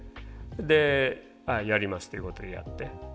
でやりますっていうことでやって。